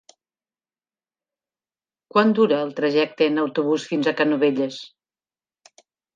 Quant dura el trajecte en autobús fins a Canovelles?